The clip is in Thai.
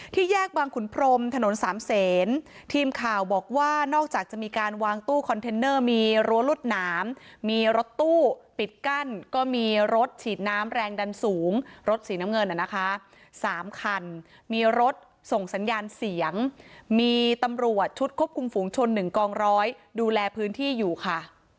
แยกบางขุนพรมถนนสามเศษทีมข่าวบอกว่านอกจากจะมีการวางตู้คอนเทนเนอร์มีรั้วรวดหนามมีรถตู้ปิดกั้นก็มีรถฉีดน้ำแรงดันสูงรถสีน้ำเงินน่ะนะคะสามคันมีรถส่งสัญญาณเสียงมีตำรวจชุดควบคุมฝูงชน๑กองร้อยดูแลพื้นที่อยู่ค่ะ